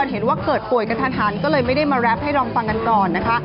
เห็นว่าเกิดป่วยกระทันหันก็เลยไม่ได้มาแรปให้ลองฟังกันก่อนนะคะ